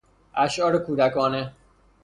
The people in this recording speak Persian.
اشعار کودکانه